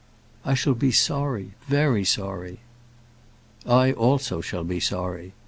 "I shall be sorry very sorry." "I also shall be sorry.